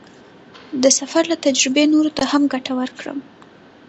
د سفر له تجربې نورو ته هم ګټه ورکړه.